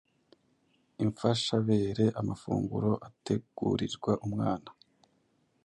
Imfashabere: amafunguro ategurirwa umwana